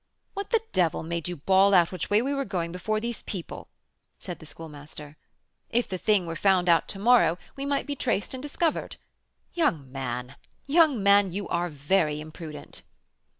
"What the devil made you bawl out which way we were going before these people?" said the Schoolmaster. "If the thing were found out to morrow, we might be traced and discovered. Young man, young man, you are very imprudent!"